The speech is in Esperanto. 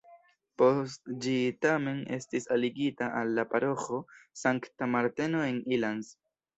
Post ĝi tamen estis aligita al la paroĥo Sankta Marteno en Ilanz.